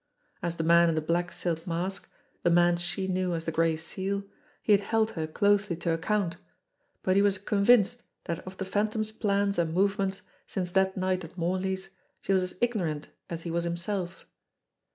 As the man in the black silk mask, the man she knew as the Gray Seal, he had held her 160 JIMMIE DALE AND THE PHANTOM CLUE closely to account; but he was convinced that of the Phan tom's plans and movements since that night at Morley's, she was as ignorant as he was himself.